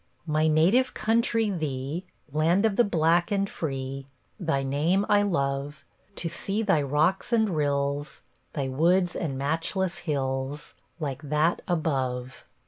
My native country, thee, Land of the black and free, Thy name I love; To see thy rocks and rills, Thy woods and matchless hills, Like that above.